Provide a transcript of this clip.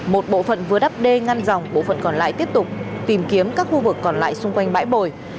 một bộ phận vừa đắp đê ngăn dòng bộ phận còn lại tiếp tục tìm kiếm các khu vực còn lại xung quanh bãi bồi